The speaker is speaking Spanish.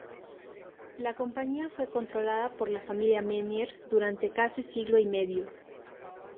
La compañía fue controlada por la familia Menier durante casi siglo y medio.